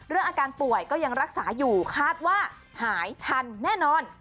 อาการป่วยก็ยังรักษาอยู่คาดว่าหายทันแน่นอน